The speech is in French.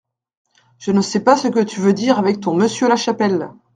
Je ne sais pas ce que tu veux dire avec ton Monsieur Lachapelle !